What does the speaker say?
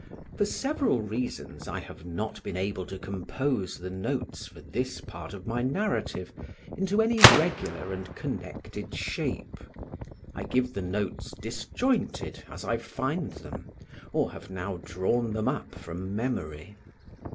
For several reasons I have not been able to compose the notes for this part of my narrative into any regular and connected shape. I give the notes disjointed as I find them, or have now drawn them up from memory.